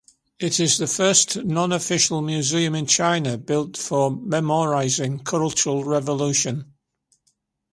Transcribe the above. It is the first non-official museum in China built for memorizing Cultural Revolution.